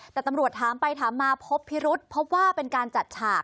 แต่ตำรวจถามไปถามมาพบพิรุษพบว่าเป็นการจัดฉาก